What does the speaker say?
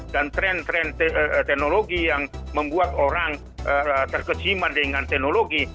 dan tren tren teknologi yang membuat orang terkeciman dengan teknologi